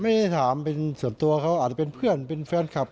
ไม่ได้ถามเป็นส่วนตัวเขาอาจจะเป็นเพื่อนเป็นแฟนคลับ